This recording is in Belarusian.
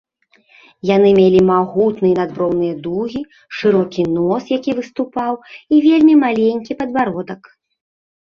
Яны мелі магутныя надброўныя дугі, шырокі нос, які выступаў і вельмі маленькі падбародак.